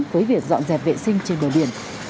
với việc dọn dẹp vệ sinh trên đường điện